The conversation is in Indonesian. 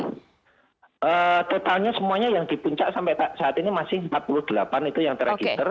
nah totalnya semuanya yang di puncak sampai saat ini masih empat puluh delapan itu yang terakiter